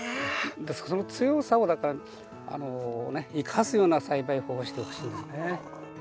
ですからその強さを生かすような栽培法をしてほしいんですね。